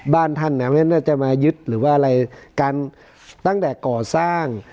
บ้านท่านเนี่ยเพราะฉะนั้นจะมายึดหรือว่าอะไรการตั้งแต่ก่อสร้าง